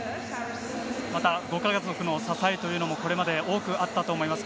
またご家族の支えというのもこれまで多くあったと思います